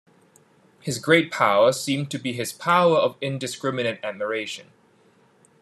His great power seemed to be his power of indiscriminate admiration.